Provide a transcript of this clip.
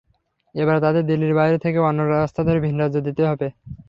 এবার তাদের দিল্লির বাইরে থেকে অন্য রাস্তা ধরে ভিনরাজ্যে যেতে হবে।